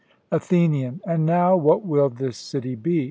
ATHENIAN: And now, what will this city be?